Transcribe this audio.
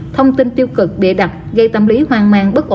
thông tin tiêu cực bịa đặt gây tâm lý hoang mang bất ổn xã hội